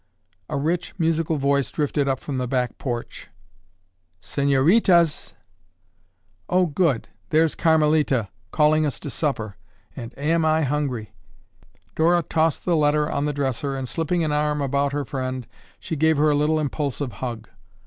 A rich, musical voice drifted up from the back porch, "Señoritas!" "Oh, good! There's Carmelita calling us to supper, and am I hungry?" Dora tossed the letter on the dresser and slipping an arm about her friend, she gave her a little impulsive hug.